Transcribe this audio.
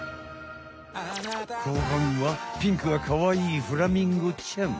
後半はピンクがかわいいフラミンゴちゃん。